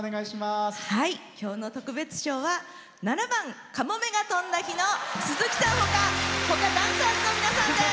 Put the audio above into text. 今日の特別賞は７番「かもめが翔んだ日」のすずきさん他ダンサーズの皆さんです。